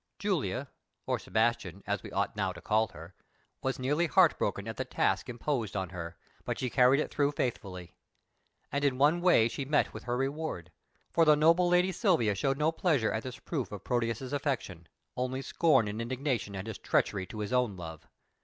Julia, or Sebastian, as we ought now to call her, was nearly heart broken at the task imposed on her, but she carried it through faithfully. And in one way she met with her reward. For the noble lady Silvia showed no pleasure at this proof of Proteus's affection, only scorn and indignation at his treachery to his own love.